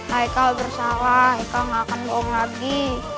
hai kau bersalah kau gak akan bohong lagi